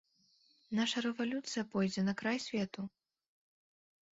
Наша рэвалюцыя пойдзе на край свету!